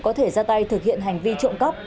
có thể ra tay thực hiện hành vi trộm cắp